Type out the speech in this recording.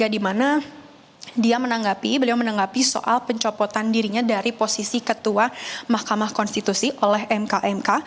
di mana dia menanggapi beliau menanggapi soal pencopotan dirinya dari posisi ketua mahkamah konstitusi oleh mkmk